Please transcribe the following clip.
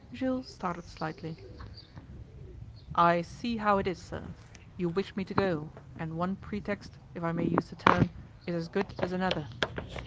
Jules started slightly. 'I see how it is, sir. You wish me to go, and one pretext, if I may use the term, is as good as another.